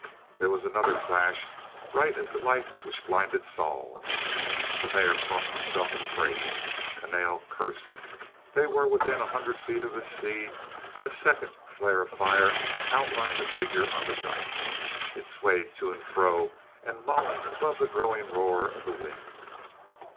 There was another flash bright as the light which blinded Saul. The Mayor crossed himself and prayed. Kahnale cursed. They were within a hundred feet of the sea when a second flare of fire outlined a figure on the dyke. It swayed to and fro and moaned above the growing roar of the wind.